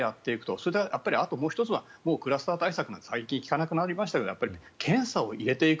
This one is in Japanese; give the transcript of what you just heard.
それで、あともう１つはクラスター対策が最近聞かなくなりましたがやっぱり検査を入れていく。